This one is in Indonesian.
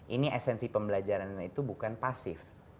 ini esensi pembelajaran itu bukan pasif